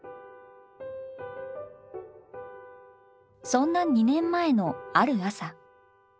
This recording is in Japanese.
そんな２年前のある朝。